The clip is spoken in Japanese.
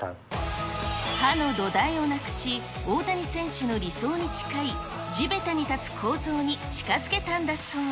刃の土台をなくし、大谷選手の理想に近い、地べたに立つ構造に近づけたんだそう。